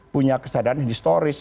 punya kesadaran historis